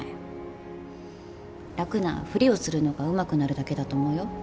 楽なふりをするのがうまくなるだけだと思うよ。